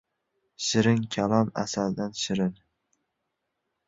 • Shirin kalom asaldan shirin.